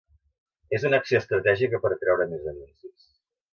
És una acció estratègica per atreure més anuncis.